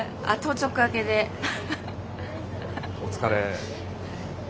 お疲れ。